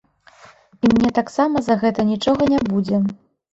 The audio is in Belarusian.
І мне таксама за гэта нічога не будзе!